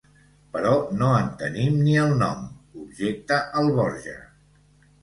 Però no en tenim ni el nom —objecta el Borja.